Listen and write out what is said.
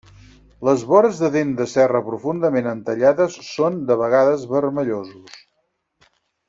Les vores de dent de serra profundament entallades són de vegades vermellosos.